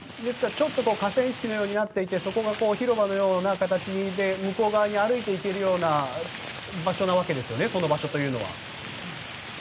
ちょっと河川敷のようになっていてそこが広間のような形で向こう側に歩いていけるような場所なわけですよね。